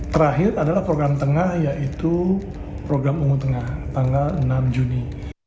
terakhir adalah program tengah yaitu program unggu tengah tanggal enam juni